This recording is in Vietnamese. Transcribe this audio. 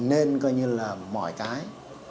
nên coi như là mọi cái